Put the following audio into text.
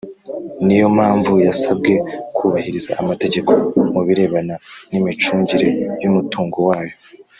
Niyo mpamvu yasabwe kubahiriza amategeko mu birebana n imicungire y umutungo wayo